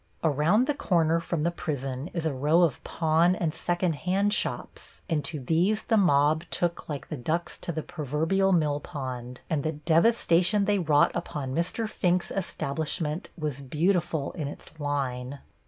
Around the corner from the prison is a row of pawn and second hand shops, and to these the mob took like the ducks to the proverbial mill pond, and the devastation they wrought upon Mr. Fink's establishment was beautiful in its line.